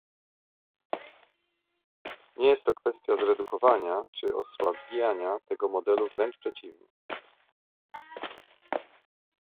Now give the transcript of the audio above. Nie jest to kwestia zredukowania czy osłabiania tego modelu - wręcz przeciwnie